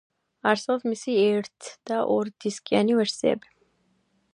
არსებობს მისი ერთ და ორ დისკიანი ვერსიები.